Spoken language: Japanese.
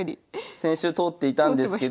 先週通っていたんですけど。